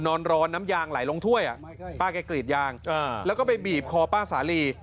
นอนร้อนน้ำยางไหลลงถ้วยป้าแกกรีดยางแล้วก็ไปบีบคอป้าสาลี